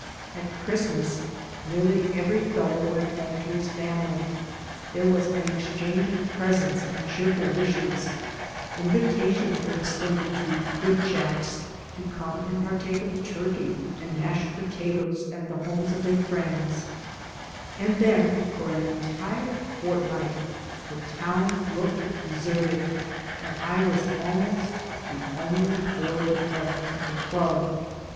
At Christmas nearly every fellow went home to his family, there was an exchange of presents and cheerful wishes, invitations were extended to "good chaps" to come and partake of turkey and mashed potatoes at the homes of their friends; and then for an entire fortnight the town looked deserted, and I was almost the only boarder left at the club.